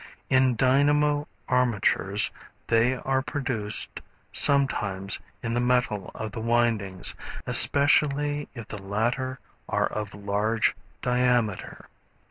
In dynamo armatures they are produced sometimes in the metal of the windings, especially if the latter are of large diameter.